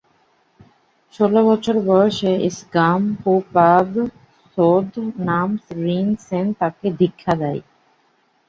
ষোল বছর বয়সে স্গাম-পো-পা-ব্সোদ-নাম্স-রিন-ছেন তাকে দীক্ষা দেন।